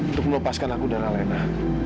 untuk melepaskan lagu dan alena